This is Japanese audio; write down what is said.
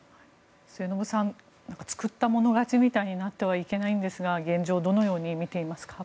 末延さん作ったもの勝ちみたいになってはいけないんですが現状、どのように見ていますか。